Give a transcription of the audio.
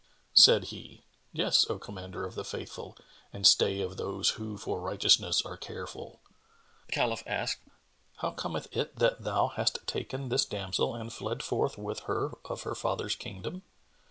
Said he, "Yes, O Commander of the Faithful and stay of those who for righteousness are care full!" The Caliph asked, "How cometh it that thou hast taken this damsel and fled forth with her of her father's kingdom?"